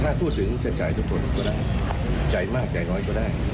ถ้าพูดถึงจะจ่ายทุกคนก็ได้จ่ายมากจ่ายน้อยก็ได้